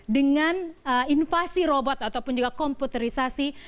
dengan invasi robot ataupun juga komputerisasi